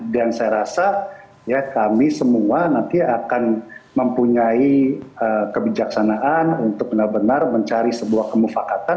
dan saya rasa ya kami semua nanti akan mempunyai kebijaksanaan untuk benar benar mencari sebuah kemufakatan